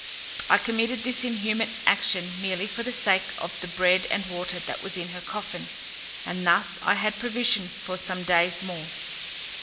I committed this inhuman action merely for the sake of the bread and water that was in her coffin, and thus I had provision for some days more.